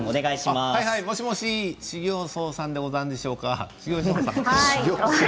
もしもし、修行僧さんでございましょうか。